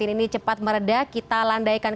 ini cepat meredah kita landaikan